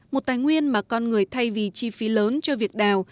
một tài nguyên mà con người thay vì chi phí lớn cho việc đào